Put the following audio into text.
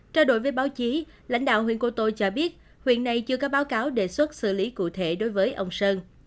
trao đổi với báo chí lãnh đạo huyện cô tô cho biết huyện này chưa có báo cáo đề xuất xử lý cụ thể đối với ông sơn